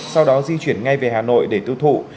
sau đó di chuyển ngay về hà nội để tiêu thụ